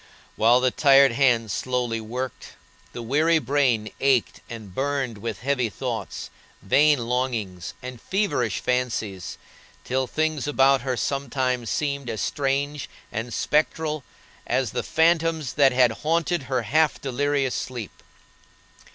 While the tired hands slowly worked, the weary brain ached and burned with heavy thoughts, vain longings, and feverish fancies, till things about her sometimes seemed as strange and spectral as the phantoms that had haunted her half delirious sleep.